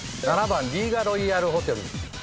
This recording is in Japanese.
７番リーガロイヤルホテル。